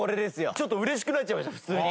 ちょっと嬉しくなっちゃいました普通に。